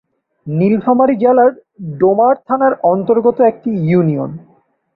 নীলফামারী জেলার ডোমার থানার অন্তর্গত একটি ইউনিয়ন।